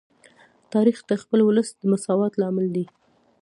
تاریخ د خپل ولس د مساوات لامل دی.